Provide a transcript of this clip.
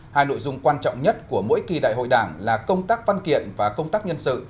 hai nội dung quan trọng nhất của mỗi kỳ đại hội đảng là công tác văn kiện và công tác nhân sự